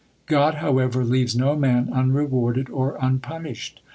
God, however, leaves no man unrewarded or unpunished.